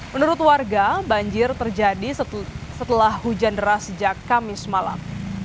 menurut warga banjir terjadi setelah hujan deras sejak kamis malam